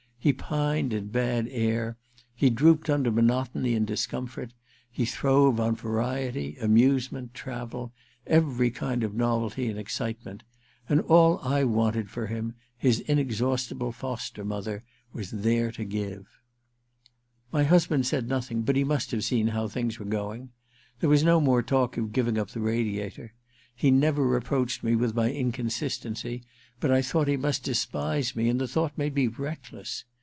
He pined in bad air ; he drooped under monotony and discomfort ; he throve on variety, amusement, travel, every kind of novelty and excitement. And all I wanted for him his inexhaustible foster mother was there to give !* My husband said nothing, but he must have seen how things were going. There was no more talk of giving up the Radiator. He never reproached me with my inconsistency, but I thought he must despise me, and the thought made me reckless.